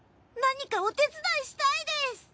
何かお手伝いしたいです。